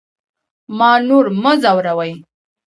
ما نور مه ځوروئ